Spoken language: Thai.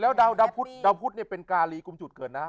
แล้วดาวดาวพุทธเป็นกาลีกุมจุดเกิดนะ